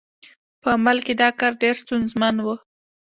په عمل کې دا کار ډېر ستونزمن و.